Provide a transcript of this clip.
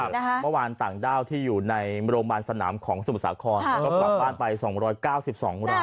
เมื่อวานต่างด้าวที่อยู่ในโรงพยาบาลสนามของสมุทรสาครแล้วก็กลับบ้านไป๒๙๒ราย